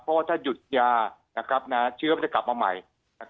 เพราะว่าถ้าหยุดยาเชื้อมันจะกลับมาใหม่